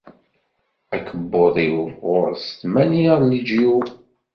Akebbuḍ-iw ɣur-s tmenya n leǧyub.